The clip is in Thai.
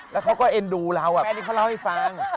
แล้วเขาก็เอ็นดูเราแค่นี้เขาเล่าให้ฟัง